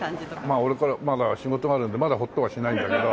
まあ俺まだ仕事があるんでまだホッとはしないんだけど。